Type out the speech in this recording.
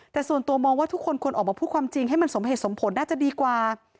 แต่ส่วนตัวมองว่าทุกคนควรออกมาพูดความจริงให้มันสมเหตุสมผลน่าจะดีกว่า